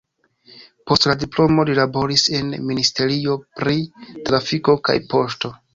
Post la diplomo li laboris en ministerio pri trafiko kaj poŝto.